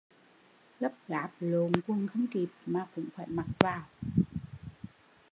Gấp gáp lộn quần không kịp mà cũng phải mặc vào